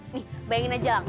nih bayangin aja